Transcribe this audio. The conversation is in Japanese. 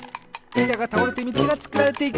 いたがたおれてみちがつくられていく！